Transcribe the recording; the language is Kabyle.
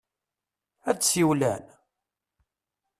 Ad d-siwlen?